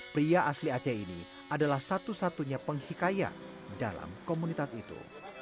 pria asli aceh ini adalah satu satunya penghikayat dalam komunitas itu